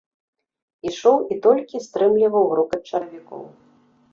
Ішоў і толькі стрымліваў грукат чаравікаў.